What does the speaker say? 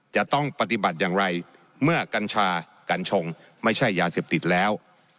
จะต้องปฏิบัติอย่างไรเมื่อกัญชากัญชงไม่ใช่ยาเสพติดแล้ว